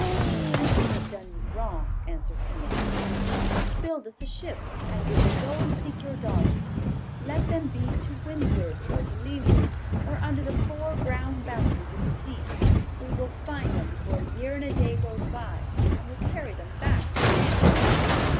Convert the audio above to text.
'Since we have done you wrong,' answered Ian, the youngest, 'build us a ship, and we will go and seek your daughters. Let them be to windward, or to leeward, or under the four brown boundaries of the sea, we will find them before a year and a day goes by, and will carry them back to Grianaig.